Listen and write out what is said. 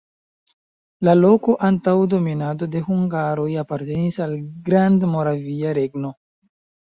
La loko antaŭ dominado de hungaroj apartenis al Grandmoravia Regno.